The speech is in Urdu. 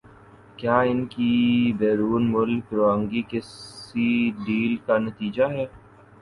کیا ان کی بیرون ملک روانگی کسی ڈیل کا نتیجہ ہے؟